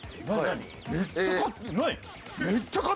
めっちゃ買ってない？